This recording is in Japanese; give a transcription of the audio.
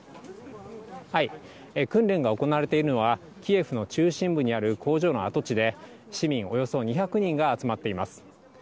訓練が行われているのは、キエフの中心部にある工場の跡地で、市民およそ２００人が集まっています。